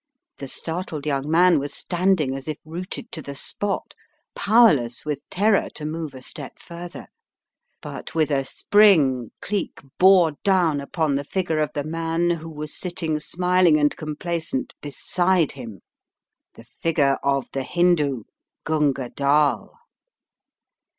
The startled young man was standing as if rooted to the spot, powerless with terror to move a step further. But with a spring Cleek bore down upon the figure of the man who was sitting smiling and complacent beside him — the figure of the Hindoo, Gunga Dall